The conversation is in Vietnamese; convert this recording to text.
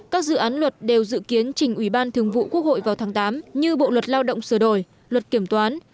các dự án luật đều dự kiến trình ủy ban thường vụ quốc hội vào tháng tám như bộ luật lao động sửa đổi luật kiểm toán